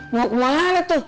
mau ke mana tuh